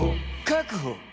確保！